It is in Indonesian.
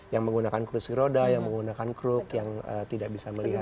yang menggunakan kursi roda yang menggunakan kruk yang tidak bisa melihat